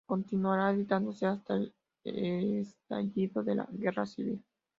Continuaría editándose hasta el estallido de la Guerra civil.